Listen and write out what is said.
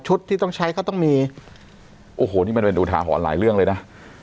ที่ต้องใช้ก็ต้องมีโอ้โหนี่มันเป็นอุทาหรณ์หลายเรื่องเลยนะ